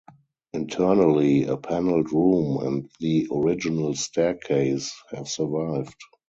Internally, a panelled room and the original staircase have survived.